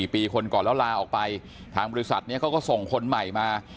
๔ปีคนก่อนแล้วลาออกไปทางบริษัทนี้เขาก็ส่งคนใหม่มา